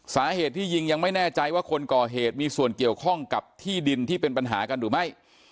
สาเหตุที่ยิงยังไม่แน่ใจว่าคนก่อเหตุมีส่วนเกี่ยวข้องกับที่ดินที่เป็นปัญหากันหรือไม่